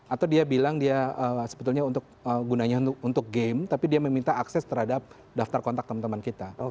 atau dia bilang dia sebetulnya untuk gunanya untuk game tapi dia meminta akses terhadap daftar kontak teman teman kita